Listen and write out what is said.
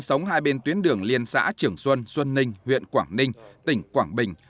sống hai bên tuyến đường liên xã trường xuân xuân ninh huyện quảng ninh tỉnh quảng bình